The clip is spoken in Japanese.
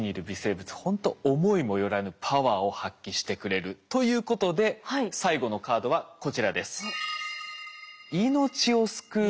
ほんと思いもよらぬパワーを発揮してくれるということで最後のカードはこちらです。